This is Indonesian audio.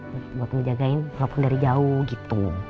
buat ngejagain handphone dari jauh gitu